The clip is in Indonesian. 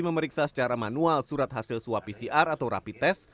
memeriksa secara manual surat hasil swab pcr atau rapi tes